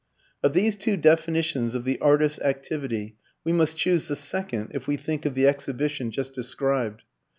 Of these two definitions of the artist's activity we must choose the second, if we think of the exhibition just described.